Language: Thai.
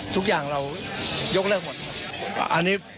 ทุกอย่างเรายกเลิกหมดครับ